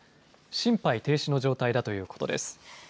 心肺停止の状態だということです。